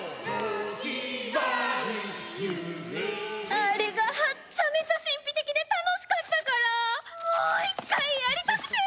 あれがはっちゃめちゃ神秘的で楽しかったからもう一回やりたくて！